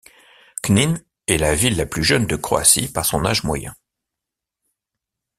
Knin est la ville la plus jeune de Croatie par son âge moyen.